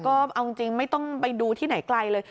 ก็เอาจริงไม่ต้องไปดูที่ไหนไกลเลย